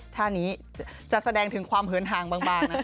ท่านี้จะแสดงถึงความเหินห่างบางนะ